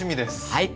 はい。